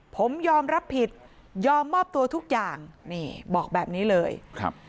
ผมยอมรับผิดยอมมอบตัวทุกอย่างนี่บอกแบบนี้เลยครับ